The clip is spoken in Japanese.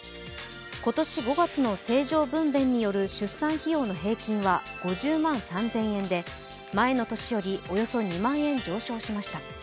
今年５月の正常分べんによる出産費用の平均は５０万３０００円で前の年よりおよそ２万円上昇しました。